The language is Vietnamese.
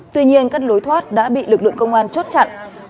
tuy nhiên các lối thoát đã bị lực lượng công an chốt chặn